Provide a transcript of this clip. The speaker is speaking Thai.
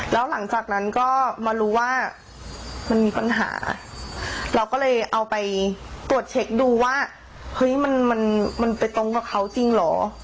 แล้วหลังจากนั้นก็มารู้ว่ามันมีปัญหาเราก็เลยเอาไปตรวจเช็คดูว่าเฮ้ยมันมันไปตรงกับเขาจริงเหรอ